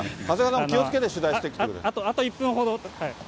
長谷川さんも気をつけて取材してあと１分ほど。